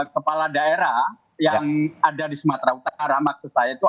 kepala daerah yang ada di sumatera utara maksud saya itu